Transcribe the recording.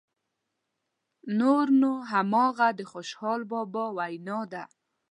نور نو همغه د خوشحال بابا وینا ده.